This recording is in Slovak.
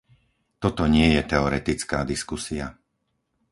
Toto nie je teoretická diskusia.